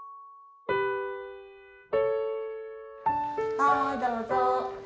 はいどうぞ。